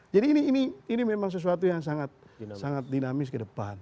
jadi ini memang sesuatu yang sangat dinamis ke depan